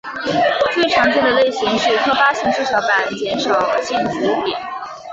最常见的类型是特发性血小板减少性紫癜。